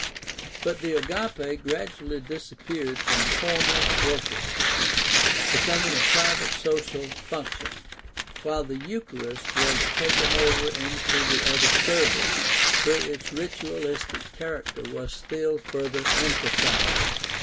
But the Agape gradually disappeared from formal worship, becoming a private social function, while the Euchar ist was taken over into the other service where its ritualistic character was still further emphasized.